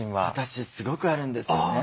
私すごくあるんですよね。